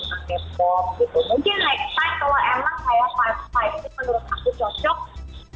mungkin next time kalo emang kayak five five menurut aku cocok